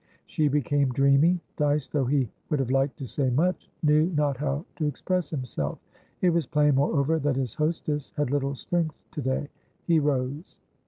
She became dreamy. Dyce, though he would have liked to say much, knew not how to express himself; it was plain, moreover, that his hostess had little strength to day. He rose.